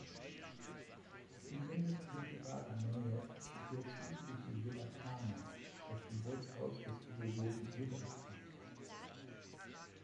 In unmittelbarer Nähe hierzu steht die Villa Carnap, das Geburtshaus des Philosophen Rudolf Carnap.